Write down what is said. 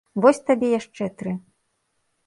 Вось табе яшчэ тры!